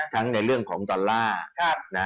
ทั้งในเรื่องของดอลลาร์